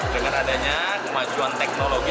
dengan adanya kemajuan teknologi